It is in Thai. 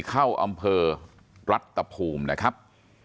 เข้าอำเภอรัตภูมินะครับ